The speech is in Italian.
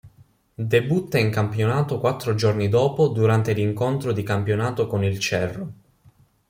Debutta in campionato quattro giorni dopo durante l'incontro di campionato con il Cerro.